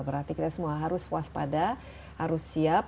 berarti kita semua harus waspada harus siap